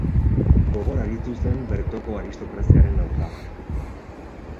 Gogor aritu zen bertoko aristokraziaren aurka.